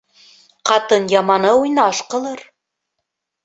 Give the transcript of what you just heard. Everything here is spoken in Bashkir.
Ҡатын яманы уйнаш ҡылыр.